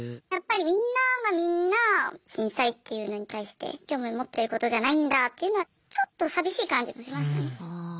やっぱりみんながみんな震災っていうのに対して興味持ってることじゃないんだというのはちょっと寂しい感じもしましたね。